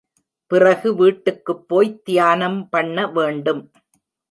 பிறகு வீட்டுக்குப் போய்த் தியானம் பண்ண வேண்டும்.